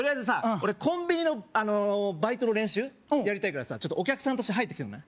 俺コンビニのあのバイトの練習やりたいからさちょっとお客さんとして入ってきてくんない？